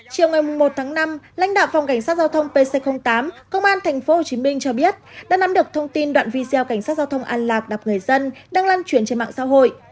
chiều ngày một tháng năm lãnh đạo phòng cảnh sát giao thông pc tám công an tp hcm cho biết đã nắm được thông tin đoạn video cảnh sát giao thông an lạc người dân đang lan truyền trên mạng xã hội